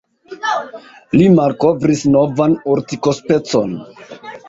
Li malkovris novan urtikospecon.